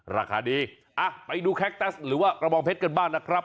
ราคาดีไปดูแคคตัสหรือว่ากระบองเพชรกันบ้างนะครับ